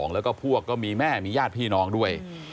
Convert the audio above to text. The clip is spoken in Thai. แล้วก็พวกก็มีแม่มีญาติพี่น้องด้วย